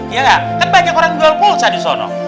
iya gak kan banyak orang jual pulsa di sana